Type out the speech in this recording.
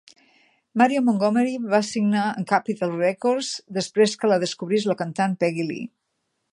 Marion Montgomery va signar amb Capitol Records després que la descobrís la cantant Peggy Lee.